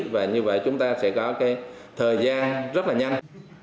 và như vậy chúng ta sẽ có cái thời gian rất là nhanh